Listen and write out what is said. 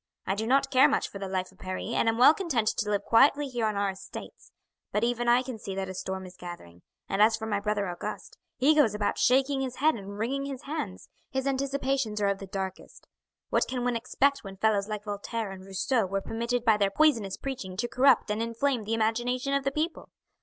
I do not care much for the life of Paris, and am well content to live quietly here on our estates; but even I can see that a storm is gathering; and as for my brother Auguste, he goes about shaking his head and wringing his hands, his anticipations are of the darkest. What can one expect when fellows like Voltaire and Rousseau were permitted by their poisonous preaching to corrupt and inflame the imagination of the people?